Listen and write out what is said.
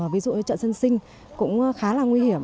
ví dụ như trận sân sinh cũng khá là nguy hiểm